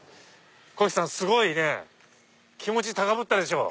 こひさんすごいね気持ち高ぶったでしょ。